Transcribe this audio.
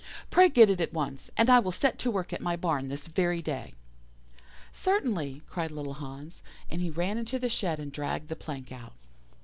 Pray get it at once, and I will set to work at my barn this very day.' "'Certainly,' cried little Hans, and he ran into the shed and dragged the plank out.